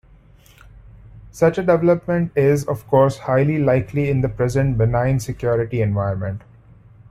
Such a development is, of course, highly unlikely in the present benign security environment.